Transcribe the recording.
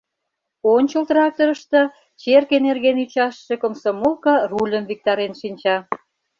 Ончыл тракторышто черке нерген ӱчашыше комсомолка рульым виктарен шинча.